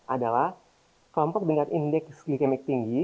adalah kelompok dengan indeks glikemik tinggi